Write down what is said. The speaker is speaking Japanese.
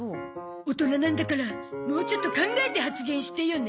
大人なんだからもうちょっと考えて発言してよね。